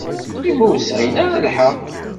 I ma ur sɛin ara lḥeqq?